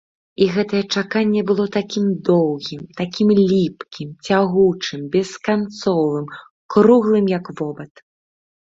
І гэтае чаканне было такім доўгім, такім ліпкім, цягучым, бесканцовым, круглым, як вобад.